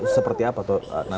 seperti apa tuh nanti baby nya